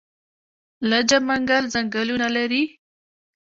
لجه منګل ځنګلونه لري؟